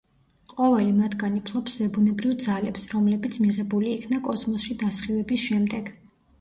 ყოველი მათგანი ფლობს ზებუნებრივ ძალებს, რომლებიც მიღებული იქნა კოსმოსში დასხივების შემდეგ.